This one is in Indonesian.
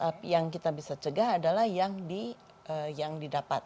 tapi yang kita bisa cegah adalah yang didapat